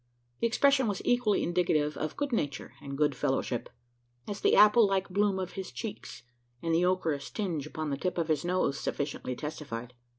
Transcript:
The expression was equally indicative of good nature and good fellowship as the apple like bloom of his cheeks, and the ochreous tinge upon the tip of the nose, sufficiently testified.